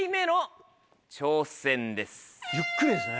ゆっくりですね。